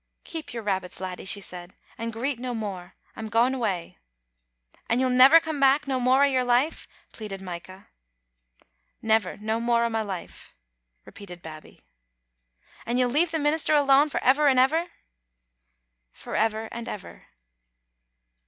" Keep your rabbits, laddie," she said, "and greet no more. I'm gaen awa." "And you'll never come back no more a' your life?" pleaded Micah. " Never no more a' my life," repeated Babbie. " And ye'U leave the minister alane for ever and ever?" " For ever and ever."